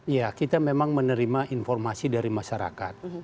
ya kita memang menerima informasi dari masyarakat